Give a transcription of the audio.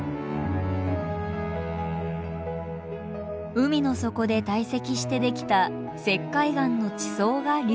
海の底で堆積してできた石灰岩の地層が隆起。